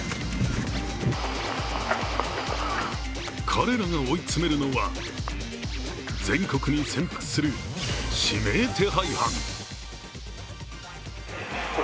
彼らが追い詰めるのは全国に潜伏する指名手配犯。